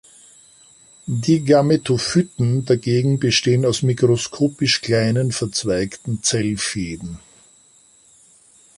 Die Gametophyten dagegen bestehen aus mikroskopisch kleinen, verzweigten Zellfäden.